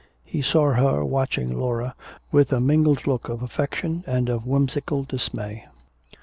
He saw her watching Laura with a mingled look of affection and of whimsical dismay.